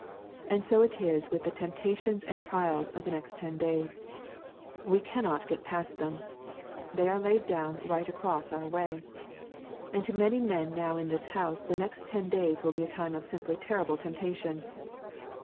And so it is with the temptations and trials of the next ten days. We cannot get past them. They are laid down right across our way. And to many men now in this house the next ten days will be a time of simply terrible temptation.